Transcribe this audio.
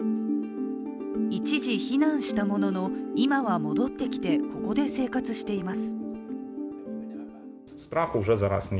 一時避難したものの今は戻ってきて、ここで生活しています。